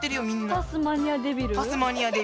タスマニアデビル。